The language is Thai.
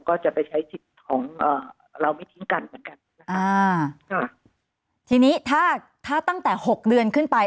ก็จะไปใช้สิทธิ์ของเราไม่ทิ้งกันเหมือนกันนะคะอ่าค่ะทีนี้ถ้าถ้าตั้งแต่หกเดือนขึ้นไป